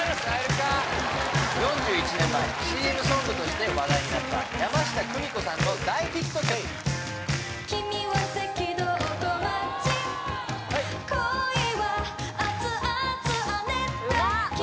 ４１年前ＣＭソングとして話題になった山下久美子さんの大ヒット曲うまっ何で知ってんのよＤＯＫＩ！